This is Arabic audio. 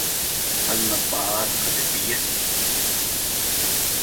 هل نظاراتك طبية ؟